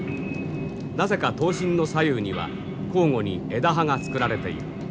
なぜか刀身の左右には交互に枝刃が作られている。